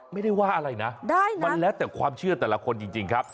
ไม่ได้ว่าอะไรนะมันแล้วแต่ความเชื่อแต่ละคนจริงครับ